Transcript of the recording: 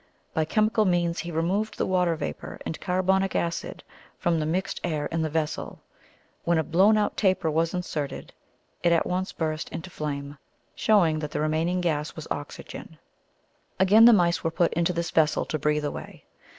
By chemical means he removed the water vapour and carbonic acid from the mixed air in the vessel. When a blown out taper was inserted, it at once burst into flame, showing that the remaining gas was oxygen. Again, the mice were put into this vessel to breathe away.